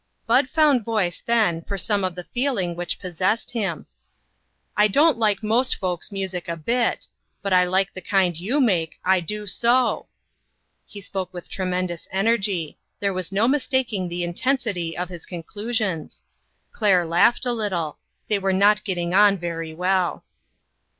Bud found voice then for some of the feeling which possessed him. " I don't like most folks' music a bit ; but I like the kind you make, I do so." He spoke with tremendous energy : there STARTING FOR HOME. 233 was no mistaking the intensity of his con clusions. Claire laughed a little. They were not getting on very well.